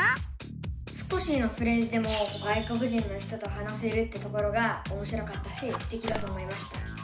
少しのフレーズでも外国人の人と話せるってところがおもしろかったしステキだと思いました。